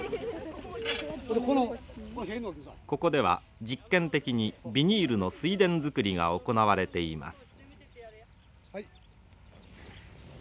ここでは実験的にビニールの水田作りが行われています。